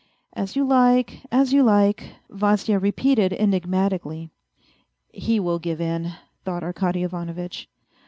" As you like, as you like," Vasya repeated enigmatically. " He will give in," thought Arkady Ivanovitch.